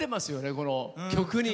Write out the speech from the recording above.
この曲に。